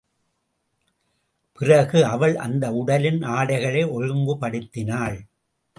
பிறகு அவள் அந்த உடலின் ஆடைகளை ஒழுங்கு படுத்தினாள்.